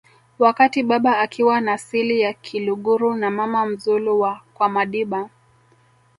wakati baba akiwa na sili ya kiluguru na mama mzulu wa kwamadiba